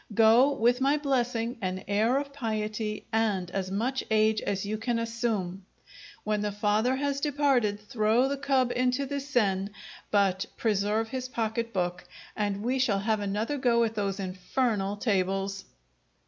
Go with my blessing, an air of piety, and as much age as you can assume. When the father has departed, throw the cub into the Seine, but preserve his pocket book, and we shall have another go at those infernal tables.